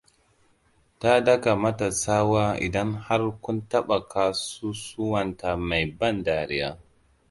Ta daka mata tsawa idan har kun taɓa ƙasusuwanta mai ban dariya.